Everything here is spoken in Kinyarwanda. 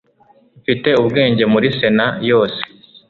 Mfite ubwenge muri Sena yose